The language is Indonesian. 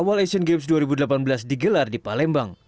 awal asian games dua ribu delapan belas digelar di palembang